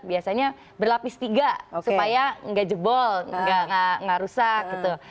biasanya berlapis tiga supaya nggak jebol nggak rusak gitu